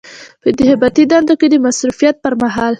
په انتخاباتي دندو کې د مصروفیت پر مهال.